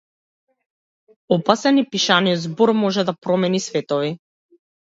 Опасен е пишаниот збор - може да промени светови.